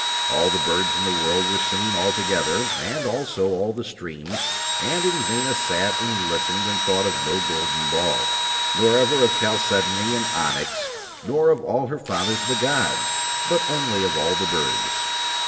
All the birds in the world were singing all together and also all the streams, and Inzana sat and listened and thought of no golden ball, nor ever of chalcedony and onyx, nor of all her fathers the gods, but only of all the birds.